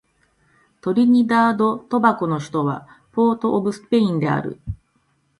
トリニダード・トバゴの首都はポートオブスペインである